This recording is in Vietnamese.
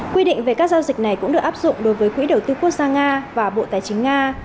quy định về các giao dịch này cũng được áp dụng đối với quỹ đầu tư quốc gia nga và bộ tài chính nga